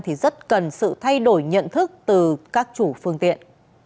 thì rất cần sự thay đổi nhận thức từ các chủ phương tiện